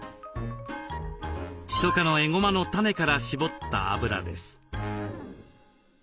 シソ科のえごまの種から搾ったあぶらです。